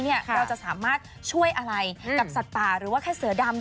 เราจะสามารถช่วยอะไรกับสัตว์ป่าหรือว่าแค่เสือดำ